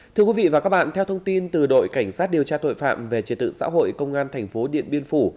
thưa quý vị và các bạn theo thông tin từ đội cảnh sát điều tra tội phạm về triệt tự xã hội công an tp điện biên phủ